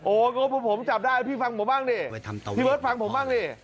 ไอ้คุณสมัยพี่ฟังผมมั้งดิพี่เวอะน์ฟังผมมั้งดิ